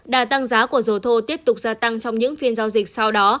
đà tăng giá của dầu thô tiếp tục gia tăng trong những phiên giao dịch sau đó